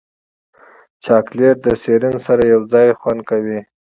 چاکلېټ د سیرین سره یوځای خوند کوي.